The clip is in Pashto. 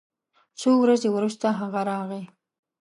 څو ورځې وروسته هغه راغی